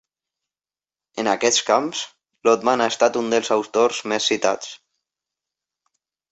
En aquests camps, Lotman ha estat un dels autors més citats.